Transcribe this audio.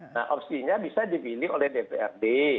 nah opsinya bisa dipilih oleh dprd